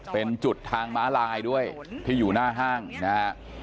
เป็นจุดทางม้าลายด้วยที่อยู่หน้าห้างนะฮะ